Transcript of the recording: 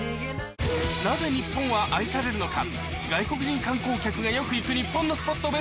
なぜ日本は愛されるのか？